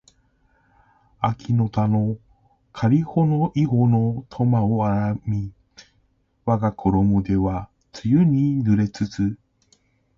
秋（あき）の田のかりほの庵（いほ）の苫（とま）を荒みわがころも手は露に濡れつつ